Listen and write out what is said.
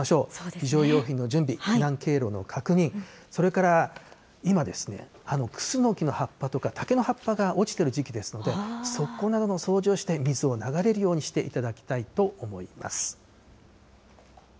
非常用品の準備、避難経路の確認、それから今ですね、クスノキの葉っぱとか、竹の葉っぱが落ちてる時期ですので、側溝などの掃除をして、水を流れるようにしていただきたいと思います。